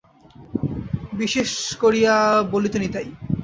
বিশেষ করিয়া বলিত নিতাই।